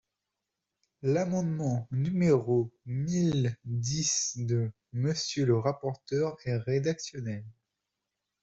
L’amendement numéro mille dix de Monsieur le rapporteur est rédactionnel.